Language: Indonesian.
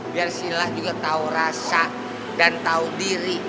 biar sila juga tau rasa dan tau diri